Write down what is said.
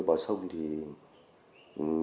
một lần lúc đi bắt cánh